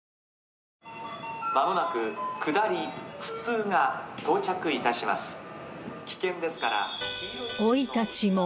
間もなく下り普通が到着いたします。